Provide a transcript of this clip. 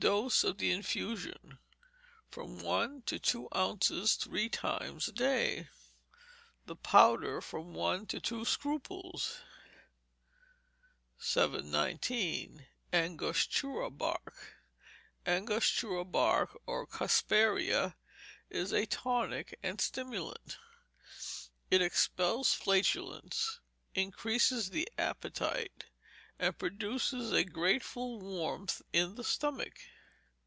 Dose, of the infusion, from one to two ounces, three times a day; of the powder, from one to two scruples. 719. Angostura Bark Angostura Bark, or Cusparia, is a tonic and stimulant. It expels flatulence, increases the appetite, and produces a grateful warmth in the stomach.